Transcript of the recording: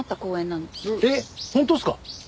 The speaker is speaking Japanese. えっ本当ですか？